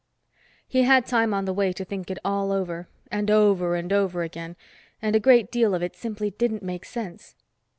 He had time on the way to think it all over, and over and over again, and a great deal of it simply didn't make sense.